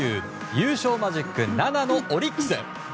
優勝マジック７のオリックス。